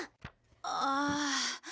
ああ。